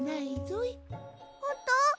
ほんと！？